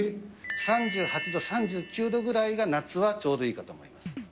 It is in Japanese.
３８度、３９度ぐらいが夏はちょうどいいかと思います。